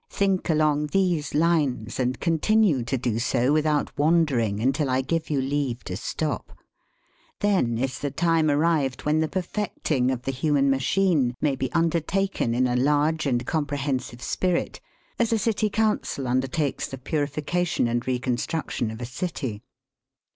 Think along these lines, and continue to do so without wandering until I give you leave to stop' then is the time arrived when the perfecting of the human machine may be undertaken in a large and comprehensive spirit, as a city council undertakes the purification and reconstruction of a city.